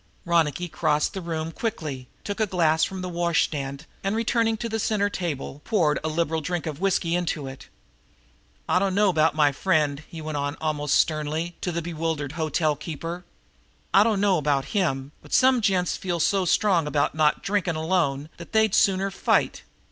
Ronicky crossed the room quickly, took a glass from the washstand and, returning to the center table, poured a liberal drink of the whisky into it. "I dunno about my friend," he went on, almost sternly, to the bewildered hotel keeper. "I dunno about him, but some gents feel so strong about not drinking alone that they'd sooner fight.